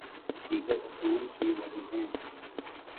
دیگر اصول بھی وہی ہیں۔